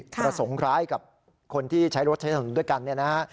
ประสงค์คล้ายกับคนที่ใช้รถชัยถนนด้วยกันนะ